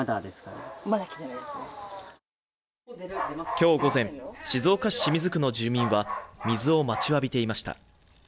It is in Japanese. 今日午前、静岡市清水区の住民は水を待ちわびていました。